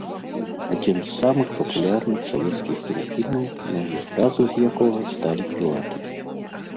Адзін з самых папулярных савецкіх кінафільмаў, многія фразы з якога сталі крылатымі.